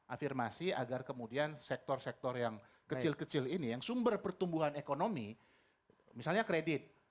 afirmasi agar kemudian sektor sektor yang kecil kecil ini yang sumber pertumbuhan ekonomi misalnya kredit